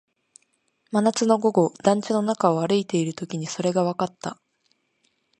真夏の午後、団地の中を歩いているときにそれがわかった